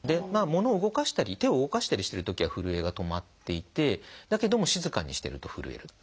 物を動かしたり手を動かしたりしてるときはふるえが止まっていてだけども静かにしてるとふるえる。